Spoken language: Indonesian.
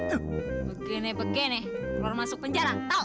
eh begini begini keluar masuk penjara tau